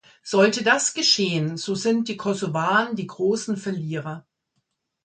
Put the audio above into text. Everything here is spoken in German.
Sollte das geschehen, so sind die Kosovaren die großen Verlierer.